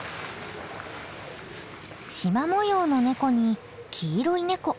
しま模様のネコに黄色いネコ。